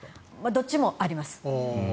どっちもあります。